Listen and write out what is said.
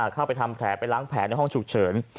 เข้าไปทำแผลไปล้างแผลในห้องฉุกเฉิน